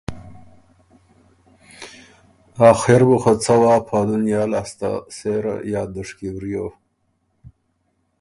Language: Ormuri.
آخېر بُو خه څوا پا دنیا لاسته سېره یا دُشکی وریو